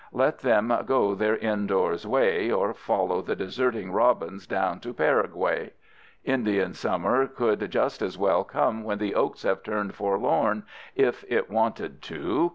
Let them go their indoors way, or follow the deserting robins down to Paraguay! Indian summer could just as well come when the oaks have turned forlorn if it wanted to.